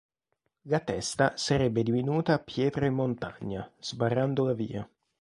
La testa sarebbe divenuta pietra e montagna, sbarrando la via.